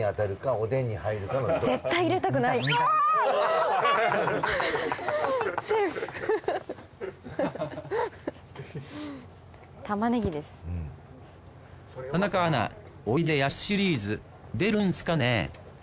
おいでやすシリーズ出るんすかね？